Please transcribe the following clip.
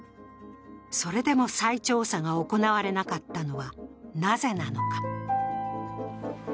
それでも再調査が行われなかったのは、なぜなのか。